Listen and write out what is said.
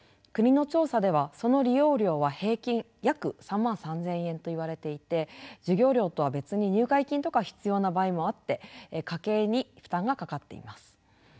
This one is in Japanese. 国の調査ではその利用料は平均約３３，０００円といわれていて授業料とは別に入会金とか必要な場合もあって家計に負担がかかっています。